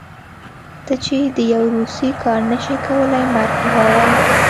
ته چې د يو روسي کار نشې کولی مرګ وغواړه.